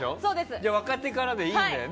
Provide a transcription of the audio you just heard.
じゃあ若手からでいいのね。